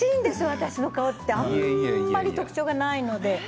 私の顔ってあまり特徴がないので。